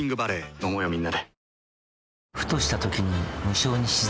飲もうよみんなで。